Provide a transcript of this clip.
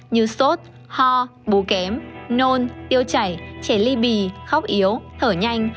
như sốt ho bú kém nôn tiêu chảy trẻ ly bì khóc yếu thở nhanh